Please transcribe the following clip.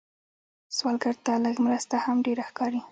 سوالګر ته لږ مرسته هم ډېره ښکاري